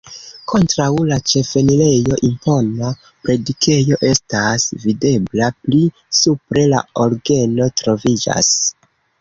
Kontraŭ la ĉefenirejo impona predikejo estas videbla, pli supre la orgeno troviĝas.